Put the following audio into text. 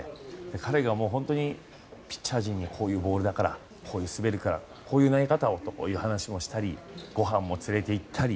彼が、本当にピッチャー陣にこういうボールだからこう滑るからこういう投げ方をという話をしたりごはんも連れて行ったり。